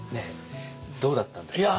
どうだったんですか？